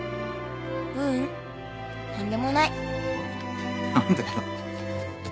ううん何でもない。何だよ。